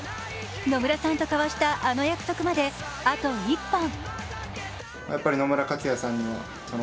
野村さんと交わした、あの約束まであと１本。